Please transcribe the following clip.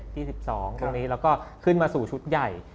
ที่๑๒ตรงนี้แล้วก็ขึ้นมาสู่ชุดใหญ่